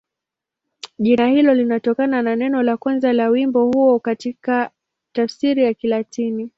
Jina hilo linatokana na neno la kwanza la wimbo huo katika tafsiri ya Kilatini.